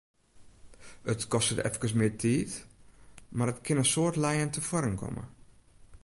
It kostet efkes mear tiid, mar it kin in soad lijen tefoaren komme.